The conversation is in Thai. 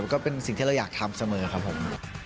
ก็เป็นสิ่งที่เราอยากทำเสมอครับผม